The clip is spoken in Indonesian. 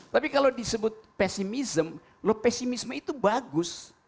tapi kalau disebut pesimism loh pesimisme itu bagus